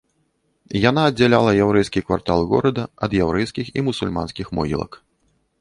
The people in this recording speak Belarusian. Яна аддзяляла яўрэйскі квартал горада ад яўрэйскіх і мусульманскіх могілак.